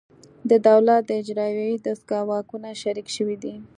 د دولت د اجرایوي دستگاه واکونه شریک شوي دي